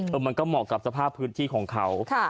มันก็เหมาะกับสภาพพื้นที่ของเขา